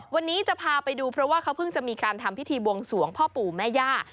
วันนี้จะพาไปดูเพราะว่าเขาเพิ่งจะมีการทำพิธีบวงสวงพ่อปู่แม่ย่า